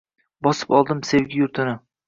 Bosib oldim sevgi yurtini